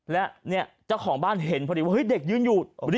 และเนี่ยเจ้าของบ้านเห็นพอดีวึชเด็กยืนอยู่รีบกดหยุดเลย